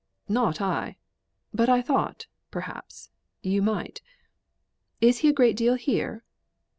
"Not I. But I thought perhaps you might. Is he a great deal here?"